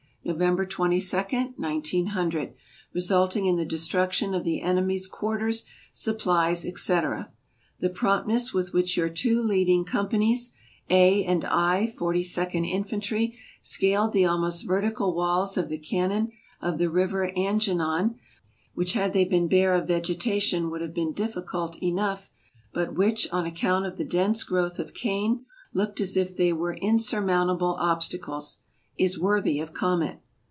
November 22, 1900, resulting in the destruction of the enemy ^s quarters, supplies, etc. The prompt ness with which your two leading companies (A and I, Forty second Infantry) scaled the almost vertical walls of the canon of the river Anginan, which had they been bare of vegetation would have been difficult enough, but which, on account of the dense growth of cane, looked as if they were insur mountable obstacles, is worthy of comment.